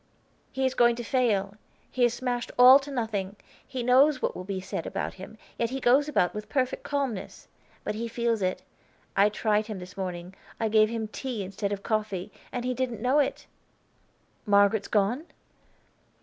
"He is going to fail, he is smashed all to nothing. He knows what will be said about him, yet he goes about with perfect calmness. But he feels it. I tried him this morning, I gave him tea instead of coffee, and he didn't know it!" "Margaret's gone?"